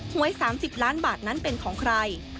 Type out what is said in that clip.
หวย๓๐ล้านบาทนั้นเป็นของใคร